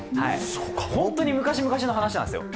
本当に昔々の話なんですよ。